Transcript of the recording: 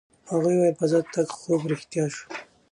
هغې وویل فضا ته د تګ خوب یې رښتیا شو.